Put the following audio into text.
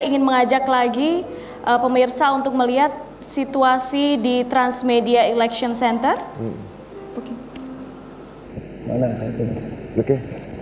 ingin mengajak lagi pemirsa untuk melihat situasi di transmedia election center oke